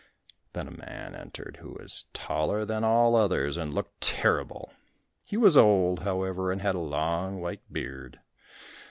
Then a man entered who was taller than all others, and looked terrible. He was old, however, and had a long white beard.